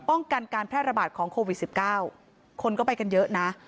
กันการแพร่ระบาดของโควิด๑๙คนก็ไปกันเยอะนะ